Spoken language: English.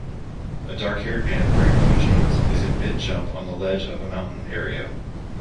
A darkhaired man wearing blue jeans is in mid jump on the ledge of a mountain area.